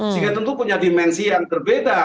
sehingga tentu punya dimensi yang berbeda